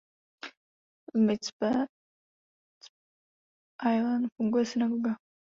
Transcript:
V Micpe Ilan funguje synagoga.